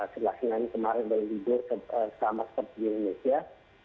sebelah sinar ini kemarin saya tidur selama setiap hari di indonesia